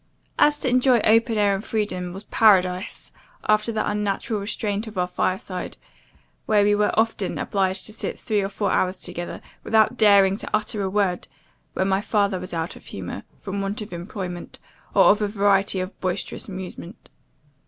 And to enjoy open air and freedom, was paradise, after the unnatural restraint of our fireside, where we were often obliged to sit three or four hours together, without daring to utter a word, when my father was out of humour, from want of employment, or of a variety of boisterous amusement.